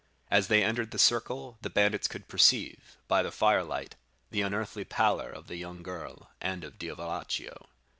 As they entered the circle, the bandits could perceive, by the firelight, the unearthly pallor of the young girl and of Diavolaccio.